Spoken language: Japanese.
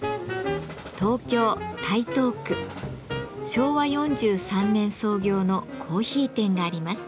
昭和４３年創業のコーヒー店があります。